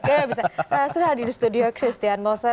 iya bisa sudah hadir di studio christian moses